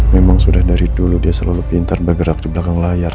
memang sudah dari dulu dia selalu pintar bergerak di belakang layar